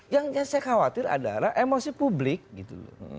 yang saya khawatir adalah emosi publik gitu loh